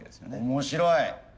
面白い。